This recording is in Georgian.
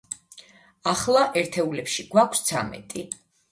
ახლა, ერთეულებში გვაქვს ცამეტი.